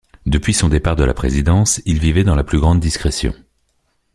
Depuis son départ de la présidence, il vivait dans la plus grande discrétion.